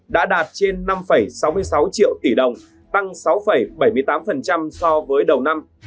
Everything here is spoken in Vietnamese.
đã đạt trên năm sáu mươi sáu triệu tỷ đồng tăng sáu bảy mươi tám so với đầu năm